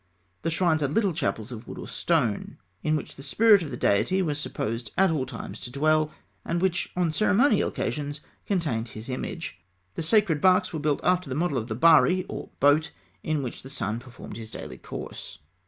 The shrines are little chapels of wood or stone (fig. 112), in which the spirit of the deity was supposed at all times to dwell, and which, on ceremonial occasions, contained his image. The sacred barks were built after the model of the Bari, or boat, in which the sun performed his daily course.